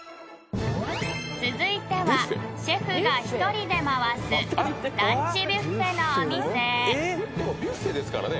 ［続いてはシェフが１人で回すランチビュッフェのお店］